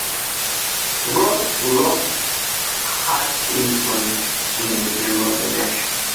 Ross lost to Hutchinson in the general election.